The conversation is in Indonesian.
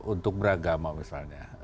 untuk beragama misalnya